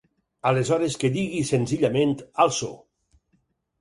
Aleshores que digui senzillament Also!